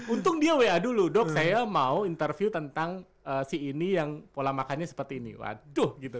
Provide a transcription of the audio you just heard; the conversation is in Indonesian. untung dia wa dulu dok saya mau interview tentang si ini yang pola makannya seperti ini waduh gitu